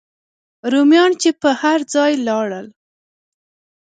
رومیان چې به هر ځای لاړل.